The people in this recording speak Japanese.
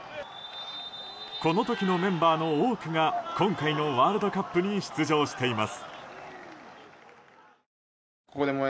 この時のメンバーの多くが今回のワールドカップに出場しています。